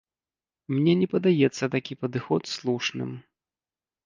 Мне не падаецца такі падыход слушным.